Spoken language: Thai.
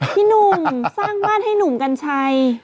พี่หนุ่มสร้างบ้านให้หนุ่มกัญชัย